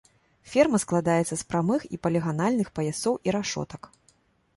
Ферма складаецца з прамых і паліганальных паясоў і рашотак.